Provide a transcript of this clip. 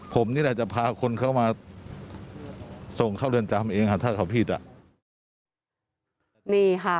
ผมนี่แหละจะพาคนเข้ามาส่งเข้าเรือนจำเองถ้าเขาผิดอ่ะ